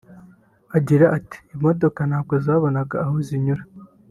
Agira ati “Imodoka ntabwo zabonaga aho zinyura